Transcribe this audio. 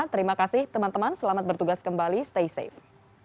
terima kasih teman teman selamat bertugas kembali stay safe